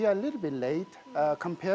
kami sedikit lewat dibandingkan